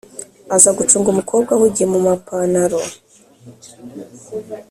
aza gucunga umukobwa ahugiye mu mapantaro